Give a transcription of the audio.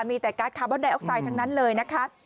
มีแต่การ์ดคาร์บอนไดออกไซด์ทั้งนั้นเลยนะคะ